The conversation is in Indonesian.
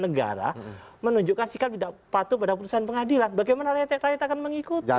negara menunjukkan sikap tidak patuh pada putusan pengadilan bagaimana rakyat rakyat akan mengikuti